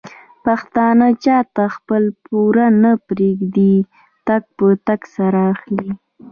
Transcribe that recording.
پښتانه چاته خپل پور نه پرېږدي ټک په ټک سره اخلي.